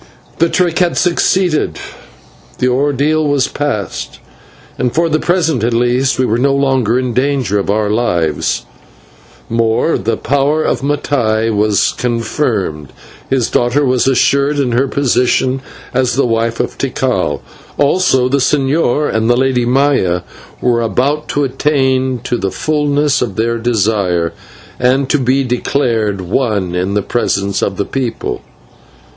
The trick had succeeded, the ordeal was past, and for the present at least we were no longer in danger of our lives: more, the power of Mattai was confirmed, and his daughter was assured in her position as the wife of Tikal; and the señor and the Lady Maya were about to attain to the fulness of their desire, and to be declared one in the presence of the people.